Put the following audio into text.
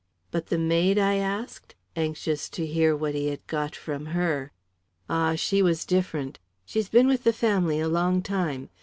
"But the maid?" I asked, anxious to hear what he had got from her. "Ah, she was different. She's been with the family a long time.